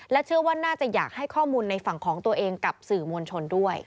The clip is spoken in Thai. เชื่อว่าน่าจะอยากให้ข้อมูลในฝั่งของตัวเองกับสื่อมวลชนด้วย